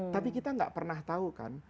tapi kita gak pernah tahu kan